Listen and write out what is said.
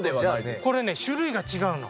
これね種類が違うの。